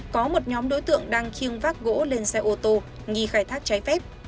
có một nhóm đối tượng đang chiêng vác gỗ lên xe ô tô nghi khai thác trái phép